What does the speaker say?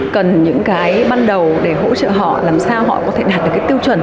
cần những cái ban đầu để hỗ trợ họ làm sao họ có thể đạt được cái tiêu chuẩn